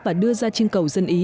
và đưa ra chương cầu dân ý